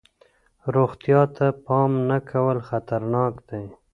روغتیا ته پام نه کول خطرناک دی.